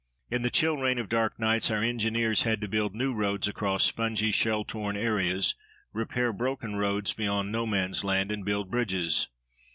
In the chill rain of dark nights our engineers had to build new roads across spongy, shell torn areas, repair broken roads beyond No Man's Land, and build bridges.